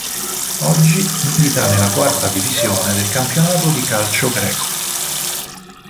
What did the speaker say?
Oggi milita nella quarta divisione del campionato di calcio greco.